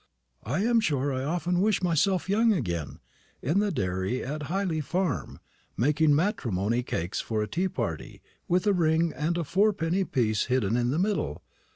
"I am sure I often wish myself young again, in the dairy at Hyley farm, making matrimony cakes for a tea party, with a ring and a fourpenny piece hidden in the middle.